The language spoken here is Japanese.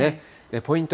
ポイント